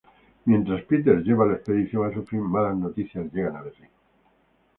Mientras Peters lleva la expedición a su fin, malas noticias llegan a Berlín.